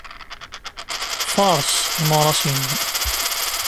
Faṛes imuras-inem.